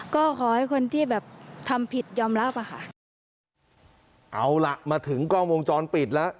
ก็ขอให้คนที่แบบทำผิดยอมรับอ่ะค่ะเอาล่ะมาถึงกล้องวงจรปิดแล้ว